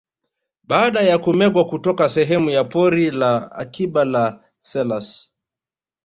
Baada ya kumegwa kutoka sehemu ya Pori la Akiba la Selous